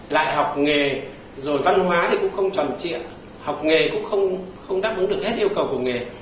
lại học nghề rồi văn hóa thì cũng không tròn trịa học nghề cũng không đáp ứng được hết yêu cầu của nghề